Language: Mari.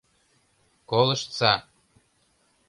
Колыштса.